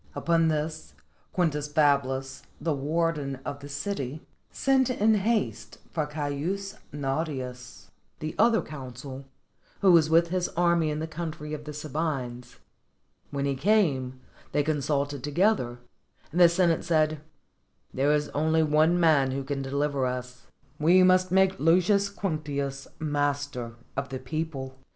Upon this, Quintus Fablus, the warden of the city, sent in haste for Caius Nautius, the other consul, who was with his army in the country of the Sabines. When he came, they consulted together, and the Senate said, ''There is only one man who can deliver us; we must make Lucius Quinctius master of the people."